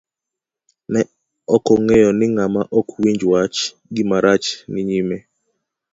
Ne okong'eyo ni ng'ama ok winj wach, gima rach ni nyime.